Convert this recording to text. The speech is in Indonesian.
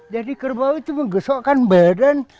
jadi kerbau itu menggesokkan badan